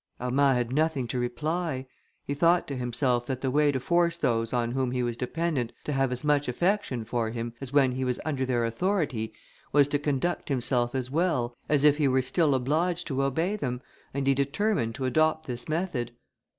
Armand had nothing to reply; he thought to himself that the way to force those on whom he was dependent to have as much affection for him, as when he was under their authority, was to conduct himself as well, as if he were still obliged to obey them, and he determined to adopt this method.